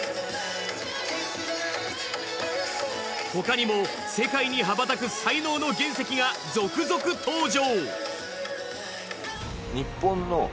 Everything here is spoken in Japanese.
他にも世界に羽ばたく才能の原石が続々登場。